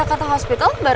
emang kau mau kesitu juga ya